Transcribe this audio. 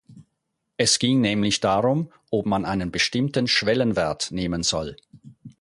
Es ging nämlich darum, ob man einen bestimmten Schwellenwert nehmen soll.